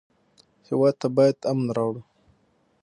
هېواد ته باید امن راوړو